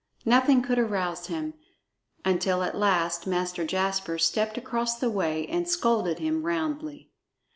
Nothing could arouse him, until at last Master Jasper stepped across the way and scolded him roundly.